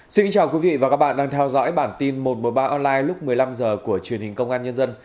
xin chào quý vị và các bạn đang theo dõi bản tin một trăm một mươi ba online lúc một mươi năm h của truyền hình công an nhân dân